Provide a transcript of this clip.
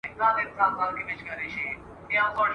ملنګه ! کوم يوسف ته دې ليدلی خوب بيان کړ؟ ,